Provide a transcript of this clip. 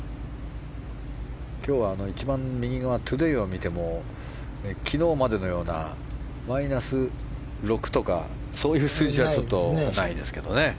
今日は一番右からトゥデーを見ても昨日までのようなマイナス６とかそういう数字はないですけどね。